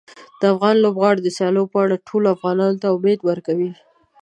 د افغان لوبغاړو د سیالیو په اړه ټولو افغانانو ته امید ورکوي.